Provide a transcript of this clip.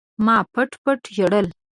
ما پټ پټ ژړل.